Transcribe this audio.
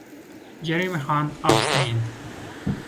Jeremy Hunt abstained.